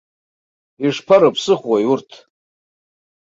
Ишԥарыԥсыхәои урҭ?